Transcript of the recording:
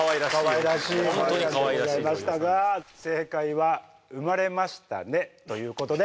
かわいらしい萌音ちゃんでございましたが正解は「生まれましたね！」ということで。